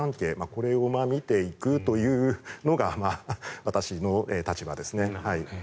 これを見ていくというのが私の立場です。